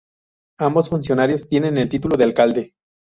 Ambos funcionarios tienen el título de Alcalde.